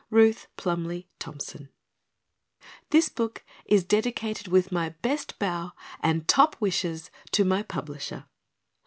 RUTH PLUMLY THOMPSON. THIS BOOK IS DEDICATED WITH MY BEST BOW AND TOP WISHES TO MY PUBLISHER.